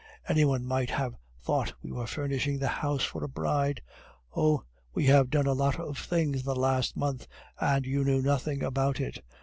Any one might have thought we were furnishing the house for a bride. Oh! we have done a lot of things in the last month, and you knew nothing about it.